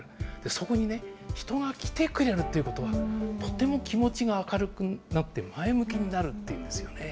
そこにね、人が来てくれるということがとっても気持ちが明るくなって前向きになるっていうんですよね。